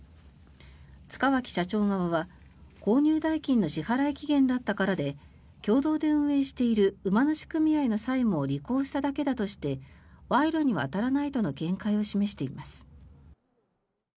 塚脇社長側は購入代金の支払期限だったからで共同で運営している馬主組合の債務を履行しただけだとして賄賂には当たらないとの見解を示しています。